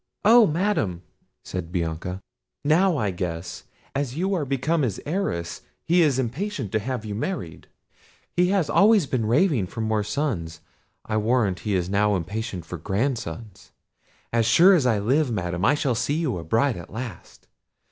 "Oh, Madam!" said Bianca, "now I guess. As you are become his heiress, he is impatient to have you married: he has always been raving for more sons; I warrant he is now impatient for grandsons. As sure as I live, Madam, I shall see you a bride at last.